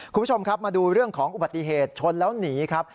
คุณผู้ชมครับมาดูเรื่องของอุบัติเหตุชนแล้วหนีครับ